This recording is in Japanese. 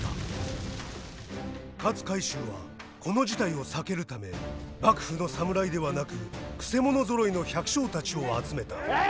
勝海舟はこの事態を避けるため幕府の侍ではなくくせ者ぞろいの百姓たちを集めた。